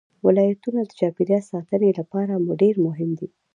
ولایتونه د چاپیریال ساتنې لپاره ډېر مهم دي.